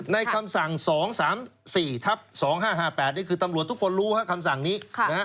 คำสั่ง๒๓๔ทับ๒๕๕๘นี่คือตำรวจทุกคนรู้คำสั่งนี้